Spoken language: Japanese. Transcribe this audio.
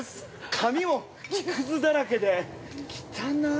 髪も木くずだらけで、汚な。